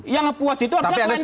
yang puas itu harusnya klien saya